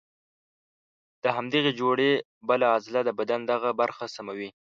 د همدغې جوړې بله عضله د بدن دغه برخه سموي.